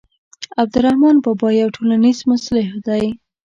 عبدالرحمان بابا یو ټولنیز مصلح دی.